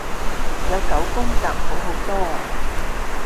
有九宮格好好多